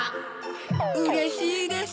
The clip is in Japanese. うれしいです！